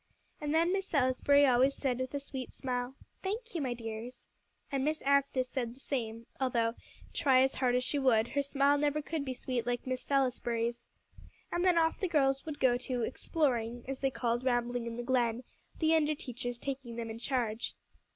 And then Miss Salisbury always said with a sweet smile, "Thank you, my dears." And Miss Anstice said the same; although, try as hard as she would, her smile never could be sweet like Miss Salisbury's. And then off the girls would go to "exploring," as they called rambling in the Glen, the under teachers taking them in charge.